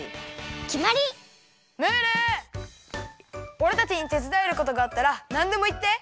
おれたちにてつだえることがあったらなんでもいって！